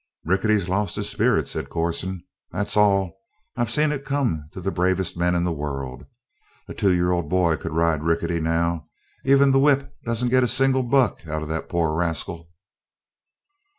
"Rickety's lost his spirit," said Corson. "That's all. I've seen it come to the bravest men in the world. A two year old boy could ride Rickety now. Even the whip doesn't get a single buck out of the poor rascal."